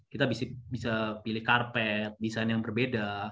kita bisa pilih karpet desain yang berbeda